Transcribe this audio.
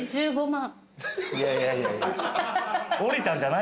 １５万？